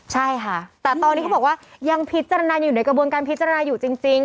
ใช่ค่ะแต่ตอนนี้เขาบอกว่ายังพิจารณาอยู่ในกระบวนการพิจารณาอยู่จริง